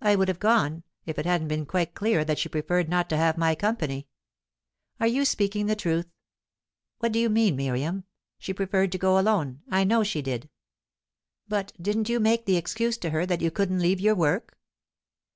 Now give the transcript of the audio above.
"I would have gone, if it hadn't been quite clear that she preferred not to have my company." "Are you speaking the truth?" "What do you mean, Miriam? She preferred to go alone; I know she did." "But didn't you make the excuse to her that you couldn't leave your work?"